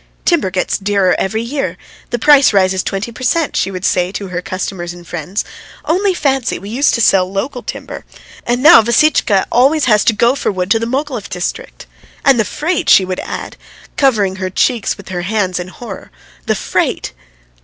"Timber gets dearer every year; the price rises twenty per cent," she would say to her customers and friends. "Only fancy we used to sell local timber, and now Vassitchka always has to go for wood to the Mogilev district. And the freight!" she would add, covering her cheeks with her hands in horror. "The freight!"